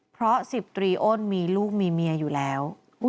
เพราะ๑๐ตรีอ้นมีลูกมีเมียอยู่แล้ว